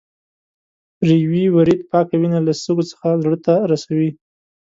ریوي ورید پاکه وینه له سږو څخه زړه ته رسوي.